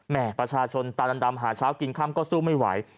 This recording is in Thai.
แหมะประชาชนตาดำหาเช้ากินข้ำก็สู้ไม่ไหว